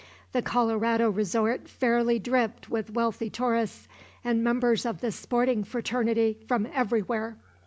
The Colorado resort fairly dripped with wealthy tourists and members of the sporting fraternity from everywhere.